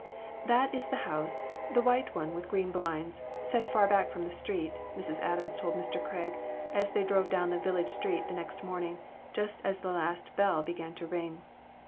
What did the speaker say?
"That is the house; the white one, with green blinds, set far back from the street," Mrs. Adams told Mr. Craig, as they drove down the village street the next morning, just as the last bell began to ring.